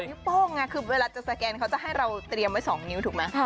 นิ้วโป้งคือเวลาจะสแกนเขาจะให้เราเตรียมไว้สองนิ้วถูกมั้ยค่ะ